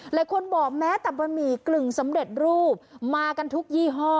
หลายคนบอกแม้แต่บะหมี่กึ่งสำเร็จรูปมากันทุกยี่ห้อ